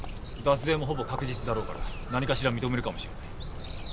脱税もほぼ確実だろうから何かしら認めるかもしれない。